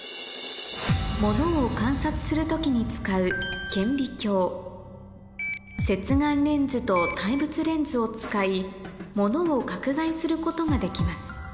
物を観察する時に使う接眼レンズと対物レンズを使い物を拡大することができます